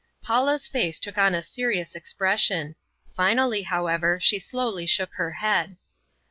Paula's face took on a serious expression finally, however, she slowly shook her head.